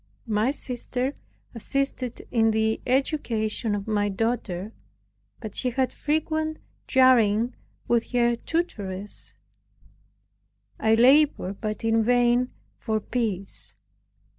My sister assisted in the education of my daughter, but she had frequent jarring with her tutoress I labored but in vain for peace.